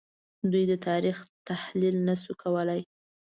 دوی د تاریخ تحلیل نه شو کولای